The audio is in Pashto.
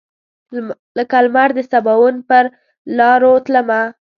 لکه لمر دسباوون پر لاروتلمه